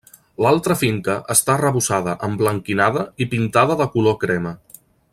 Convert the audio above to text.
L'altra finca està arrebossada, emblanquinada i pintada de color crema.